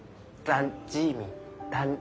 ダァン・ジーミン？